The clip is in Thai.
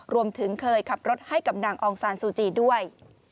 รวมถึงเคยขับรถให้กับนางองซานซูจีด้วย